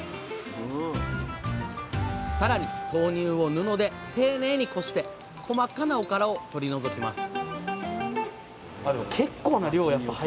さらに豆乳を布で丁寧にこして細かなおからを取り除きます